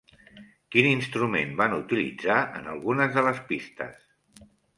Quin instrument van utilitzar en algunes de les pistes?